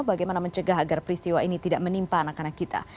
bagaimana mencegah agar peristiwa ini tidak menimpa anak anak kita